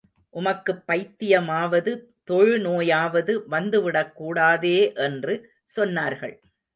உமக்குப் பைத்தியமாவது, தொழு நோயாவது வந்து விடக் கூடாதே என்று சொன்னார்கள்.